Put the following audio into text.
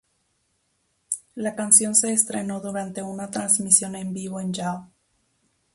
La canción se estrenó durante una transmisión en vivo en Yahoo!